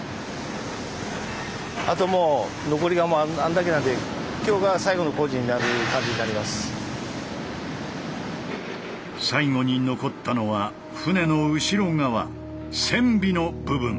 あともう残りはあれだけなので最後に残ったのは船の後ろ側「船尾」の部分。